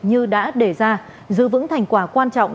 như đã đề ra giữ vững thành quả quan trọng